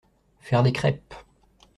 Faire des crêpes.